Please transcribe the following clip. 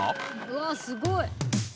うわっすごい。